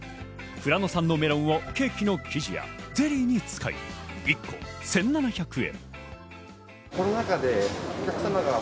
富良野産のメロンをケーキの生地やゼリーに使い、１個１７００円。